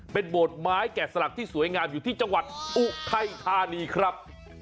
เป็นโบสถ์ไม้แกะสลักที่สวยงามอยู่ที่จังหวัดอุทัยธานีครับ